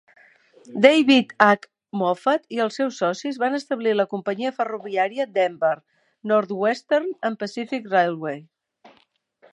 David H. Moffat i els seus socis van establir la companyia ferroviària Denver, Northwestern and Pacific Railway.